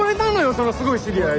その「すごい知り合い」。